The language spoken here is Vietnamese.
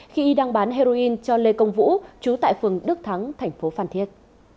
khi y đang bán heroin cho lê công vũ chú tại phường đức thắng thành phố phan thiết